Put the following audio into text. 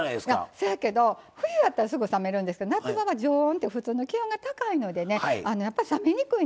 そやけど冬やったらすぐ冷めるんですけど夏場は常温って普通の気温が高いのでねやっぱり冷めにくいんです。